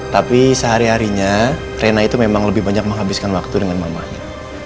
tapi sehari harinya rena itu memang lebih banyak menghabiskan waktu dengan mamanya